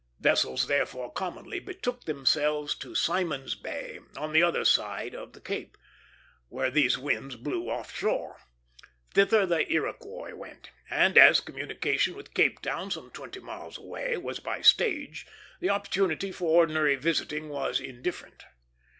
Vessels therefore commonly betook themselves to Simon's Bay, on the other side of the Cape, where these winds blew off shore. Thither the Iroquois went; and as communication with Cape Town, some twenty miles away, was by stage, the opportunity for ordinary visiting was indifferent.